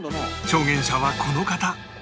証言者はこの方